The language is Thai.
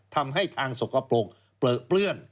ทำให้ทางสกปรกเปลือเปลื้อน